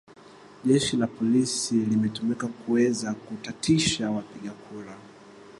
jeshi la polisi limetumika kuweza kutatisha wapiga kura